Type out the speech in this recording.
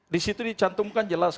disitu dicantumkan jelas